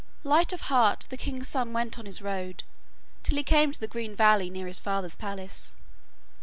Light of heart the king's son went on his road, till he came to the green valley near his father's palace.